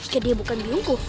jadi bukan biungku